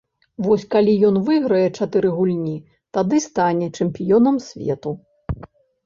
Вось калі ён выйграе чатыры гульні, тады стане чэмпіёнам свету.